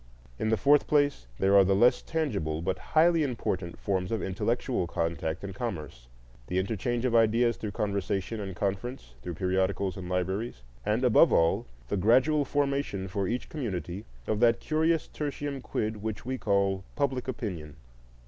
In the fourth place there are the less tangible but highly important forms of intellectual contact and commerce, the interchange of ideas through conversation and conference, through periodicals and libraries; and, above all, the gradual formation for each community of that curious tertium quid which we call public opinion.